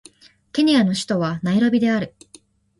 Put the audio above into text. ケニアの首都はナイロビである